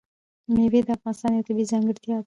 مېوې د افغانستان یوه طبیعي ځانګړتیا ده.